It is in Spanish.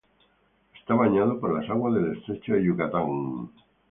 Es bañado por las aguas del estrecho de Yucatán.